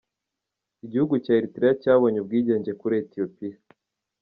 Igihugu cya Eritrea cyabonye ubwigenge kuri Ethiopia.